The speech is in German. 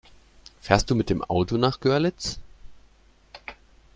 Fährst du mit dem Auto nach Görlitz?